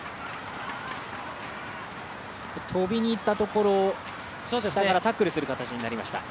とびにいったところ、下からタックルするような形になりました。